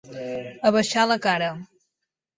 Abaixar la cara.